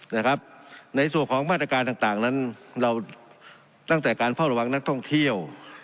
แต่ในตัวของบรรแตการณ์ต่างนั้นเราตั้งแต่การเฝ้าระวังนักท่องเที่ยว